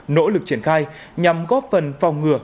nỗ lực triển khai nhằm góp phần phòng ngừa